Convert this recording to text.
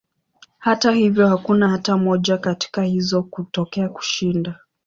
Hata hivyo, hakuna hata moja katika hizo kutokea kushinda.